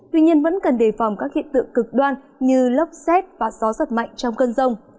tuy nhiên vẫn cần đề phòng các hiện tượng cực đoan như lốc xét và gió giật mạnh trong cơn rông